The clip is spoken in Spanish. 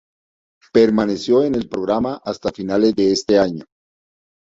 Permaneció en el programa hasta finales de ese año.